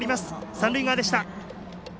三塁側でした。